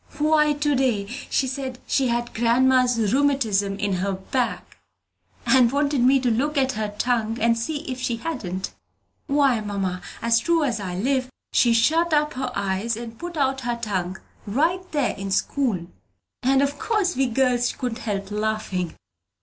Why, to day she said she had grandma's rheumatism in her back, and wanted me to look at her tongue and see if she hadn't. Why, mother, as true as I live, she shut up her eyes and put out her tongue right there in school, and of course we girls couldn't help laughing!"